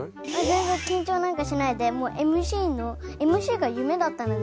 全然緊張なんかしないでもうＭＣのＭＣが夢だったので。